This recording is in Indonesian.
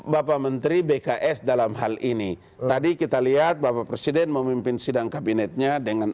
bapak menteri bks dalam hal ini tadi kita lihat bapak presiden memimpin sidang kabinetnya dengan